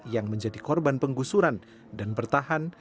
yang menjadi korban penggusuran dan bertahan